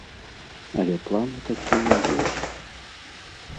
Але планы такія ёсць.